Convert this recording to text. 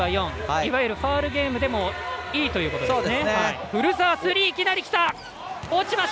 いわゆるファウルゲームでもいいということですね。